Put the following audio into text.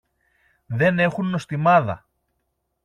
δεν έχουν νοστιμάδα.